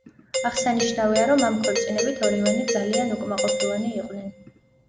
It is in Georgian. აღსანიშნავია, რომ ამ ქორწინებით ორივენი ძალიან უკმაყოფილონი იყვნენ.